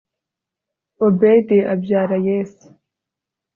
obedi abyara yese